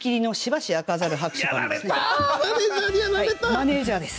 マネージャーです。